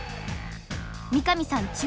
三神さん